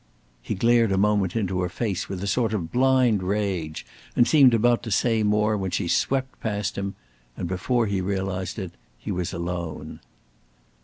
He glared a moment into her face with a sort of blind rage, and seemed about to say more, when she swept past him, and before he realized it, he was alone.